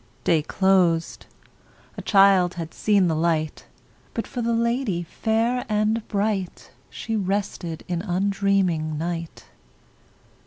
Day closed; a child had seen the light; But, for the lady fair and bright, She rested in undreaming night.